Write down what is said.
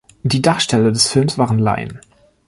Die Darsteller des Films waren Laien.